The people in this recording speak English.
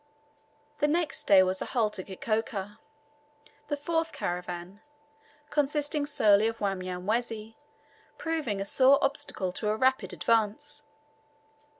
The next day was a halt at Kikoka; the fourth caravan, consisting solely of Wanyamwezi, proving a sore obstacle to a rapid advance.